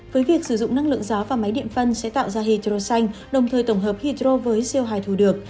với việc sử dụng năng lượng gió và máy điện phân sẽ tạo ra hydroxanh đồng thời tổng hợp hydro với siêu hài thu được